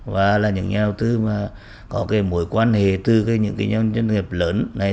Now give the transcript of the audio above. và là những nhà đầu tư có mối quan hệ từ những nhân dân nghiệp lớn này